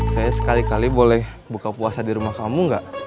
saya sekali kali boleh buka puasa di rumah kamu nggak